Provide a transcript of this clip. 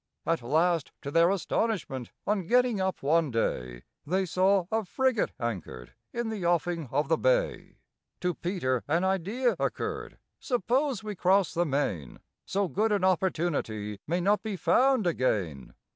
At last, to their astonishment, on getting up one day, They saw a frigate anchored in the offing of the bay. To PETER an idea occurred. "Suppose we cross the main? So good an opportunity may not be found again."